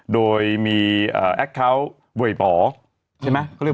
โดยมีแอคเคาน์บวยบ๋อใช่ไหม